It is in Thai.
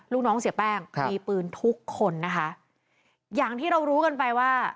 ลูกน้องเสียแป้งครับมีปืนทุกคนนะคะอย่างที่เรารู้กันไปว่า